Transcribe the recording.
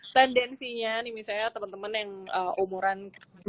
tendensinya nih misalnya temen temen yang umuran